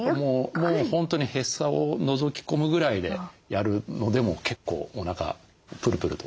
もう本当にへそをのぞき込むぐらいでやるのでも結構おなかプルプルと来ると思います。